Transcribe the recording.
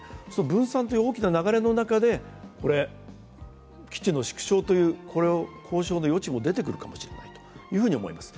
分散という大きな流れの中で、基地の縮小という交渉の余地も出てくるかもしれないと思います。